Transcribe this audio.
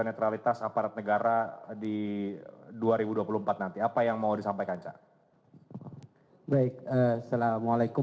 netralitas aparat negara di dua ribu dua puluh empat nanti apa yang mau disampaikan cak baik assalamualaikum